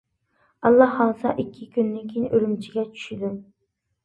ئاللا خالىسا ئىككى كۈندىن كىيىن ئۈرۈمچىگە چۈشىدۇ.